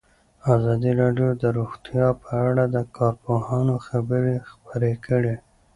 ازادي راډیو د روغتیا په اړه د کارپوهانو خبرې خپرې کړي.